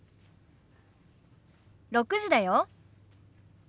６時だよ。